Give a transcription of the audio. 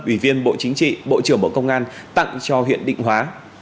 ủy viên bộ chính trị bộ trưởng bộ công an tặng cho huyện định hóa